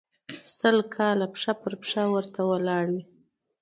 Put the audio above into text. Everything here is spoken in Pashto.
سل کاله پښه پر پښه ورته واړوي.